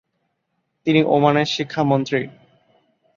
তিনি ওমানের শিক্ষা মন্ত্রী।